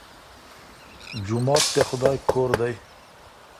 جومات د خدای کور دی.